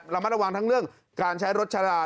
ระมัดระวังทั้งเรื่องการใช้รถชะลา